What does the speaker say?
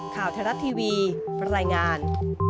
ข่าวแทนรัฐทีวีบรรยายงาน